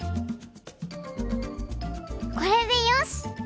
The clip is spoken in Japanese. これでよし！